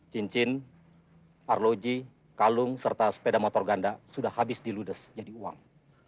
cincin arloji kalung serta sepeda motor ganda sudah habis diludes jadi uang